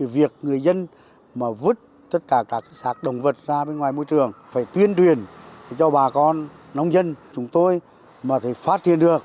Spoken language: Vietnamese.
việc người dân vứt tất cả các sạc động vật ra bên ngoài môi trường phải tuyên truyền cho bà con nông dân chúng tôi mà thể phát hiện được